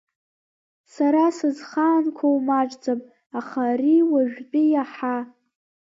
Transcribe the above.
Сара сызхаанқәоу маҷӡам, аха ари уажәтәи иаҳа…